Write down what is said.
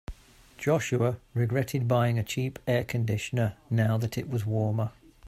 Joshua regretted buying a cheap air conditioner now that it was warmer.